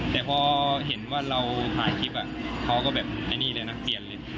แต่พอเห็นว่าเราถ่ายคลิปเขาก็แบบไอ้นี่เลยนักเรียนเลย